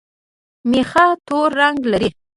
مېخه تور رنګ لري